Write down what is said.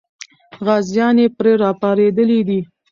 غازیان یې پرې راپارېدلي دي.